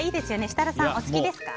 設楽さん、お好きですか？